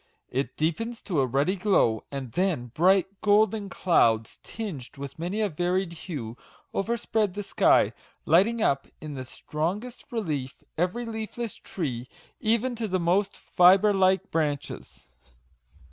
It deepens to a ruddy glow ; and then bright, golden clouds, tinged with many a varied hue, overspread the sky, lighting up in the strongest relief every leafless tree, even to the most fibre like branches.